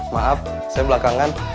maaf saya belakangan